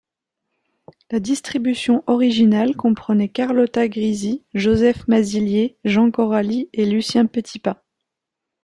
La distribution originale comprenait Carlotta Grisi, Joseph Mazilier, Jean Coralli et Lucien Petipa.